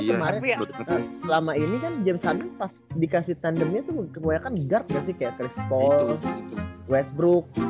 ya ini kan jam saatnya pas dikasih tandemnya tuh kebanyakan guardnya sih kayak chris paul westbrook